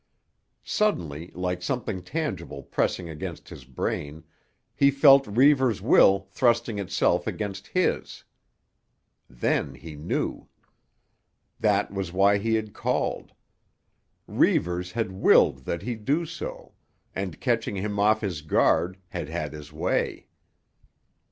Suddenly, like something tangible pressing against his brain, he felt Reivers' will thrusting itself against his. Then he knew. That was why he had called. Reivers had willed that he do so, and, catching him off his guard, had had his way.